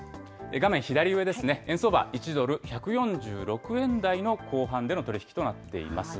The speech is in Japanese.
画面左上ですね、円相場、１ドル１４６円台の後半での取り引きとなっています。